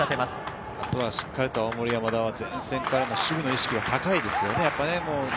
あとはしっかりと青森山田は前線から守備の意識が高いですね。